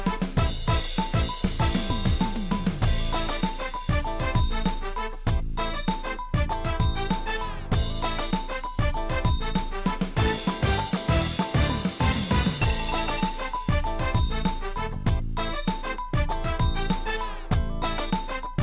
ตอนนี้ต้องจับใหญ่แล้วล่ะครับอย่างนี้ให้๒คนเป่ายิงชุบ